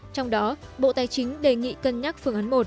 trong đó bộ tài chính đề nghị cân nhắc phương án một